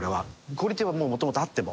クオリティーはもともとあっても。